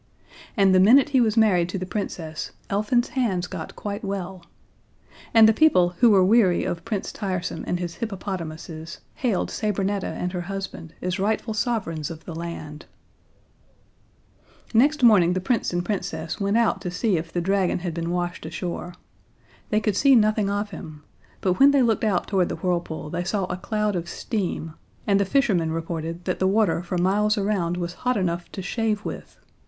And, the minute he was married to the Princess, Elfin's hands got quite well. And the people, who were weary of Prince Tiresome and his hippopotamuses, hailed Sabrinetta and her husband as rightful Sovereigns of the land. [Illustration: "They saw a cloud of steam." See page 135.] Next morning the Prince and Princess went out to see if the dragon had been washed ashore. They could see nothing of him; but when they looked out toward the whirlpool they saw a cloud of steam; and the fishermen reported that the water for miles around was hot enough to shave with!